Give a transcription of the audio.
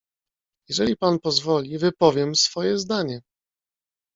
"Jeżeli pan pozwoli, wypowiem swoje zdanie."